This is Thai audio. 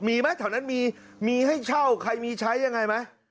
มีไหมแถวนั้นมีมีให้เช่าใครมีใช้ยังไงไหม